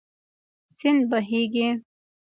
سیند بهېږي.